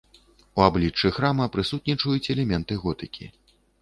У абліччы храма прысутнічаюць элементы готыкі.